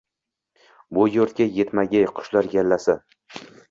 Bu yerga yetmagay qushlar yallasi